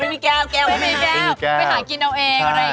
ไม่มีแก้วไปหากินเอาเอง